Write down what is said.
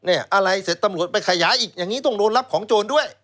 อะไรเสร็จตำรวจไปขยายอีกอย่างนี้ต้องโดนรับของโจรด้วย